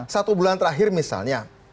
satu bulan terakhir misalnya